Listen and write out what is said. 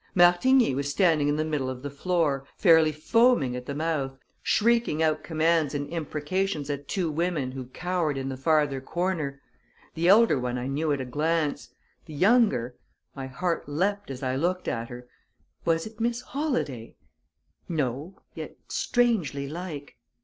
Martigny was standing in the middle of the floor, fairly foaming at the mouth, shrieking out commands and imprecations at two women who cowered in the farther corner. The elder one I knew at a glance the younger my heart leaped as I looked at her was it Miss Holladay? No, yet strangely like.